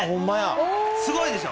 すごいでしょ。